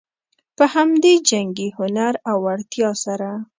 په همدې جنګي هنر او وړتیا سره.